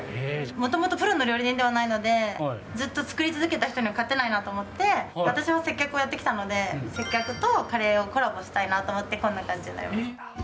もともとプロの料理人ではないので、ずっと作り続けた人には勝てないなと思って、私も接客をやってきたので、接客とカレーをコラボしたいなと思って、こんな感じになりました。